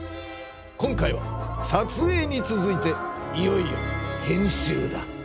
今回は撮影につづいていよいよ編集だ。